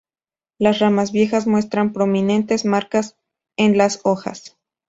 Las ramas viejas muestran prominentes marcas en las hojas.